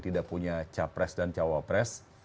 tidak punya capres dan cawapres